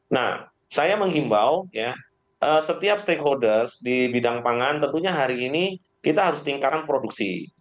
nah saya menghimbau setiap stakeholders di bidang pangan tentunya hari ini kita harus tingkatkan produksi